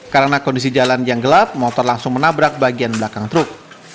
karena kondisi jalan yang gelap motor langsung menabrak bagian belakang truk